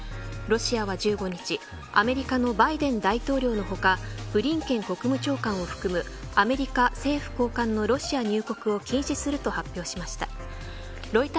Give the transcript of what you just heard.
ロシアは１５日、アメリカのバイデン大統領の他ブリンケン国務長官を含むアメリカ政府高官のロシア入国を禁止すると発表しました。